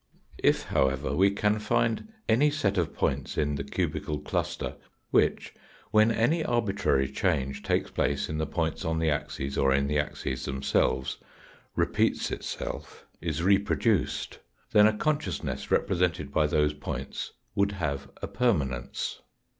If, however, we can find any set of points in the cubical cluster, which, when any arbitrary change takes place in the points on the axes, or in the axes themselves, repeats itself, is reproduced, then a consciousness repre sented by those points would have a permanence.